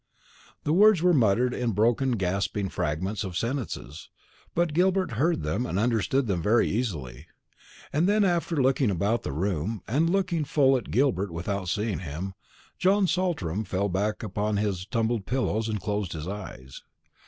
The words were muttered in broken gasping fragments of sentences; but Gilbert heard them and understood them very easily. Then, after looking about the room, and looking full at Gilbert without seeing him, John Saltram fell back upon his tumbled pillows and closed his eyes.